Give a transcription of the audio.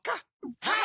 はい！